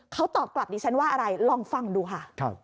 เขาตอบกลับดิฉันว่าอะไรลองฟังดูค่ะ